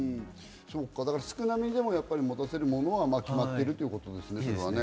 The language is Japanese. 少なめでも持たせるものは決まっているということですね。